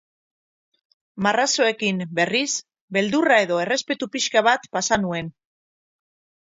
Marrazoekin, berriz, beldurra edo errespetu pixka bat pasa nuen.